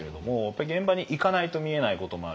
現場に行かないと見えないこともあるし